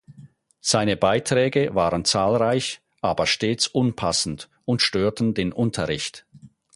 Seine Beiträge waren zahlreich, aber stets unpassend und störten den Unterricht.